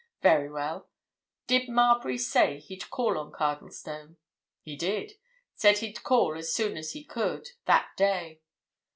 "Very well. Did Marbury say he'd call on Cardlestone?" "He did. Said he'd call as soon as he could—that day."